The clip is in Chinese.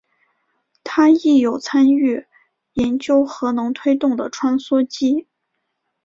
他亦有参与研究核能推动的穿梭机。